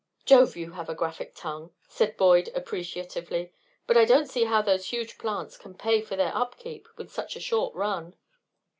"Jove! you have a graphic tongue," said Boyd, appreciatively. "But I don't see how those huge plants can pay for their upkeep with such a short run."